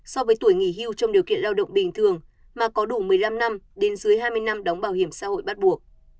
so với tuổi nghỉ hưu trong điều kiện lao động bình thường mà có đủ một mươi năm năm đến dưới hai mươi năm đóng bảo hiểm xã hội bắt buộc